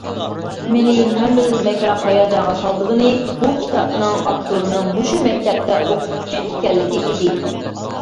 مېنى ھەممىدىن بەكرەك ھاياجانغا سالىدىغىنى بۇ كىتابنىڭ ئاپتورىنىڭ مۇشۇ مەكتەپتە ئوقۇتقۇچى ئىكەنلىكى ئىدى.